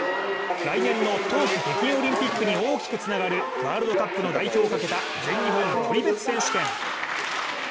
来年の冬季北京オリンピックに大きくつながるワールドカップの代表をかけた全日本距離別選手権。